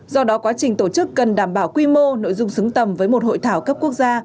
do đó quá trình tổ chức cần đảm bảo quy mô nội dung xứng tầm với một hội thảo cấp quốc gia